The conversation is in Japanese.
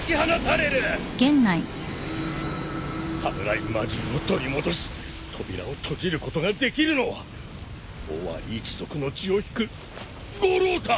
侍魔人を取り戻し扉を閉じることができるのはオワリ一族の血を引く五郎太！